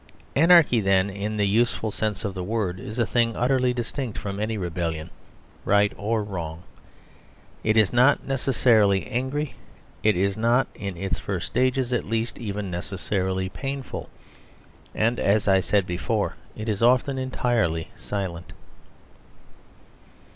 Anarchy, then, in the useful sense of the word, is a thing utterly distinct from any rebellion, right or wrong. It is not necessarily angry; it is not, in its first stages, at least, even necessarily painful. And, as I said before, it is often entirely silent.